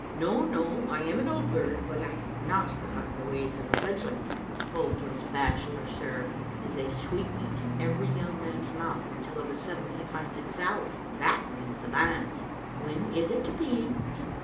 No, no, I am an old bird, but I have not forgot ten the ways of the fledgelings. 'Hopeless bachelor,' sir, is a sweetmeat in every young man's mouth until of a sudden he finds it sour, and that means the banns. When is it to be?"